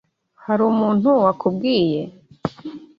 Hari umuntu wakubwiye?